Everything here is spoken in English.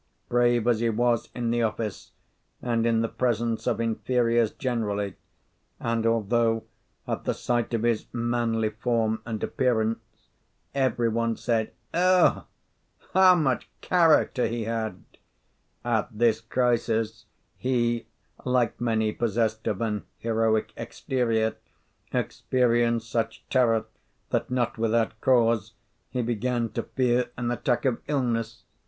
Brave as he was in the office and in the presence of inferiors generally, and although, at the sight of his manly form and appearance, every one said, "Ugh! how much character he had!" at this crisis, he, like many possessed of an heroic exterior, experienced such terror, that, not without cause, he began to fear an attack of illness.